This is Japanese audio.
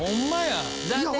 残念！